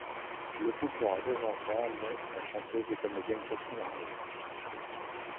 Le couple aura deux enfants, dont la chanteuse et comédienne Catherine Ringer.